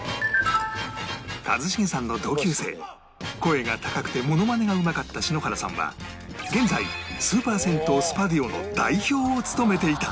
一茂さんの同級生声が高くてモノマネがうまかった篠原さんは現在スーパー銭湯スパディオの代表を務めていた